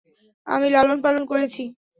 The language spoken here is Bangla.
আমি লালন-পালন করেছি।